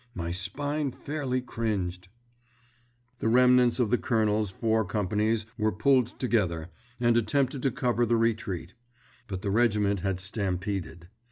My spine fairly cringed." The remnants of the colonels four companies were pulled together and attempted to cover the retreat. But the regiment had stampeded.